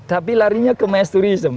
tapi larinya ke mass tourism